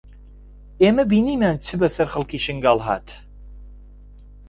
ئێمە بینیمان چ بەسەر خەڵکی شنگال هات